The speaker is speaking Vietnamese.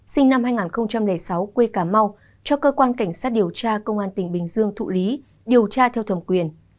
sinh năm hai nghìn sáu quê cà mau cho cơ quan cảnh sát điều tra công an tỉnh bình dương thụ lý điều tra theo thẩm quyền